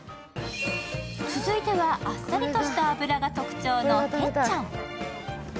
続いては、あっさりとした脂が特徴のテッチャン。